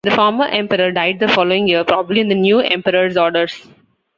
The former emperor died the following year, probably on the new emperor's orders.